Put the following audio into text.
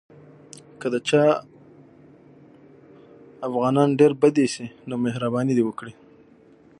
که د چا افغانان ډېر بد ایسي نو مهرباني دې وکړي.